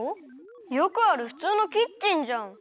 よくあるふつうのキッチンじゃん。